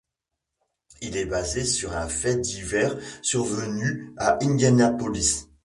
Il est basé sur un fait divers survenu à Indianapolis.